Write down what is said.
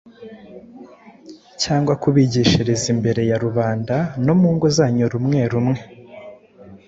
cyangwa kubigishiriza imbere ya rubanda no mu ngo zanyu rumwe rumwe.